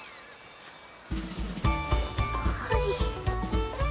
はい。